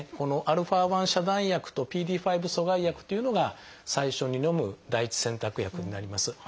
α遮断薬とＰＤＥ５阻害薬というのが最初にのむ第一選択薬になります。